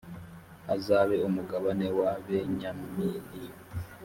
hazabe umugabane wa benyamini